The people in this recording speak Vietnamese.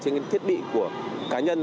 trên thiết bị của cá nhân